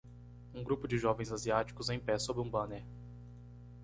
Um grupo de jovens asiáticos em pé sob um banner.